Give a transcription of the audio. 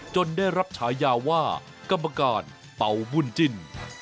ได้รับฉายาว่ากรรมการเป่าบุญจิ้น